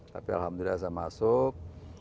tapi alhamdulillah saya masuk